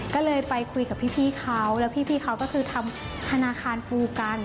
ก็เลยไปคุยกับพี่เขาแล้วพี่เขาก็คือทำธนาคารปูกัน